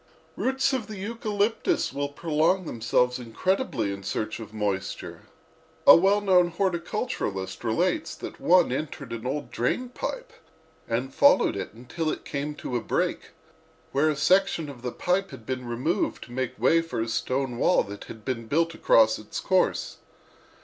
"Roots of the eucalyptus will prolong themselves incredibly in search of moisture. A well known horticulturist relates that one entered an old drain pipe and followed it until it came to a break, where a section of the pipe had been removed to make way for a stone wall that had been built across its course.